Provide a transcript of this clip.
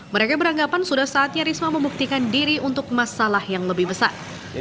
mereka beranggapan sudah saatnya risma membuktikan diri untuk masalah yang lebih besar